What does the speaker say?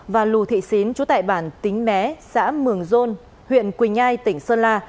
và lù thị xín chú tại bản tính mé xã mường dôn huyện quỳnh nhai tỉnh sơn la